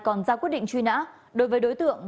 còn ra quyết định truy nã đối với đối tượng